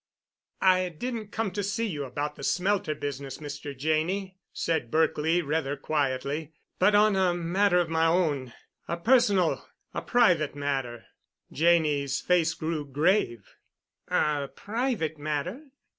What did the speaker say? "I didn't come to see you about the smelter business, Mr. Janney," said Berkely rather quietly, "but on a matter of my own—a personal—a private matter." Janney's face grew grave. "A private matter?"